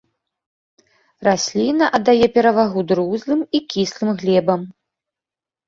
Расліна аддае перавагу друзлым і кіслым глебам.